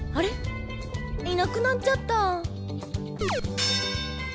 いなくなっちゃった。